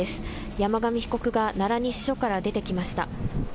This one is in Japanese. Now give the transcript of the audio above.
山上被告が奈良西署から出てきました。